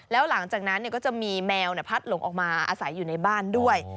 แล้วหลังจากนั้นก็จะมีแมวพัดหลงออกมาอาศัยอยู่ในบ้านด้วย